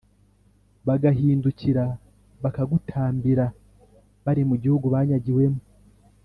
bagahindukira bakagutakambira bari mu gihugu banyagiwemo,